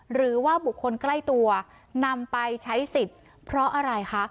หรือว่าบุคคลใกล้ตัวนำไปใช้สิทธิ์เพราะอะไรคะ